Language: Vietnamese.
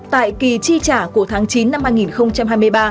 tại kỳ chi trả của tháng chín năm hai nghìn hai mươi ba